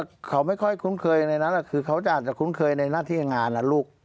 เขาไม่ค่อยคุ้นเคยในนั้นคือเขาจะอาจจะคุ้นเคยในหน้าที่งานนะลูก